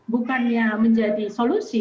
bukannya menjadi solusi